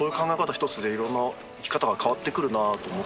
ひとつでいろんな生き方が変わってくるなと思って。